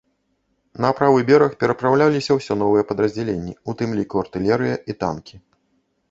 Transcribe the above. На правы бераг перапраўляліся ўсё новыя падраздзяленні, у тым ліку артылерыя і танкі.